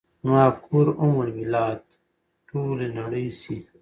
زما کور ام البلاد ، ټولې نړۍ شي